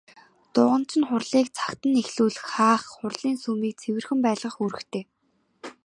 Дуганч нь хурлыг цагт нь эхлүүлэх, хаах, хурлын сүмийг цэвэр байлгах үүрэгтэй.